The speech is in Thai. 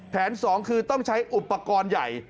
สองคือต้องใช้อุปกรณ์ใหญ่